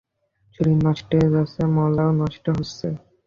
শরীর নষ্ট হয়ে যাচ্ছে-মলাও নষ্ট হচ্ছে।